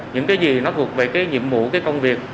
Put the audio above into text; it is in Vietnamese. những cái gì nó thuộc về cái nhiệm vụ cái công việc